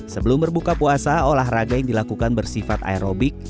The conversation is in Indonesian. sebelum berbuka puasa olahraga yang dilakukan bersifat aerobik